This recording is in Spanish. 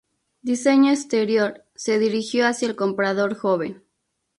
Diseño exterior se dirigió hacia el comprador joven.